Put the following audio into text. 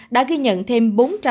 đã ghi nhận thêm